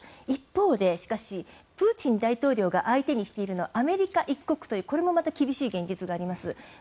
一方でしかし、プーチン大統領が相手にしているのはアメリカ一国というこれもまた厳しい現実があります。